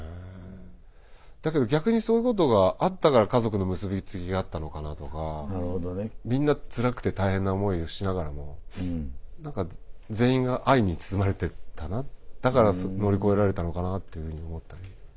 だけど逆にそういうことがあったから家族の結び付きがあったのかなとかみんなつらくて大変な思いをしながらも全員が愛に包まれてたなだから乗り越えられたのかなっていうふうに思ったり。